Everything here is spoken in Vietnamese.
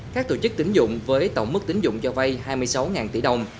các tổ chức tính dụng với tổng mức tính dụng cho vay hai mươi sáu tỷ đồng